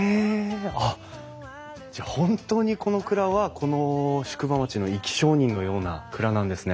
あっじゃあ本当にこの蔵はこの宿場町の生き証人のような蔵なんですね。